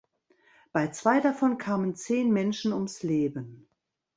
Bei zwei davon kamen zehn Menschen ums Leben.